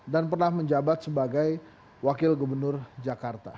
dan pernah menjabat sebagai wakil gubernur jakarta